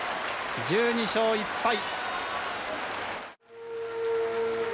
１２勝１敗。